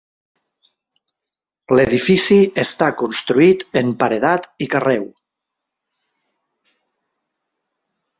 L'edifici està construït en paredat i carreu.